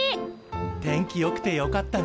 天気よくてよかったね。